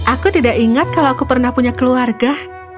aku tidak ingat kalau aku pernah punya keluarga